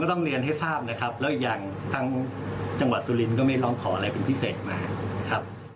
ต้องเรียนให้ทราบนะครับแล้วอีกอย่างทางจังหวัดสุรินทร์ก็ไม่ร้องขออะไรเป็นพิเศษมานะครับ